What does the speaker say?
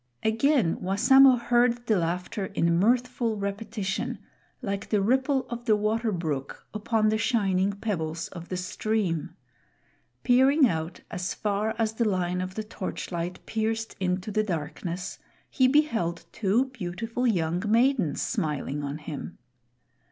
Again Wassamo heard the laughter in mirthful repetition, like the ripple of the water brook upon the shining pebbles of the stream. Peering out as far as the line of the torchlight pierced into the darkness, he beheld two beautiful young maidens smiling on him.